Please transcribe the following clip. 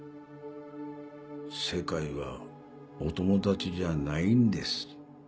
世界はお友達じゃないんです。